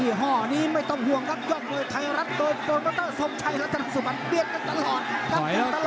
ที่ห้อนี้ไม่ต้องห่วงครับย่อมโดยไทยรัฐโดยโฟร์มัตเตอร์สมชัยและสนับสมันเปรี้ยนกันตลอด